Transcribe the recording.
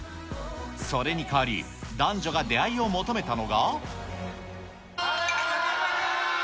それに代わり、男女が出会いを求めたのが。